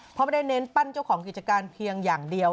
เพราะไม่ได้เน้นปั้นเจ้าของกิจการเพียงอย่างเดียว